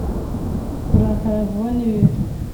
Kurakara vuba ni bibi